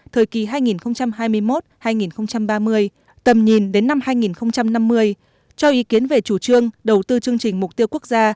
thời kỳ hai nghìn hai mươi một hai nghìn ba mươi tầm nhìn đến năm hai nghìn năm mươi cho ý kiến về chủ trương đầu tư chương trình mục tiêu quốc gia